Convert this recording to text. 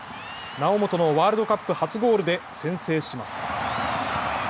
猶本のワールドカップ初ゴールで先制します。